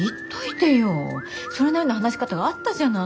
それなりの話し方があったじゃない。